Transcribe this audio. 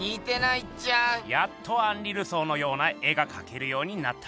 「やっとアンリ・ルソーのような絵が描けるようになった」。